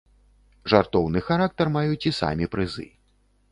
Жартоўны характар маюць і самі прызы.